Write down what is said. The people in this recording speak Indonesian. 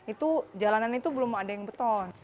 itu jalanan itu belum ada yang beton